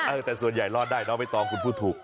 เออแต่ส่วนใหญ่รอดได้น้องไม่ต้องคุณพูดถูก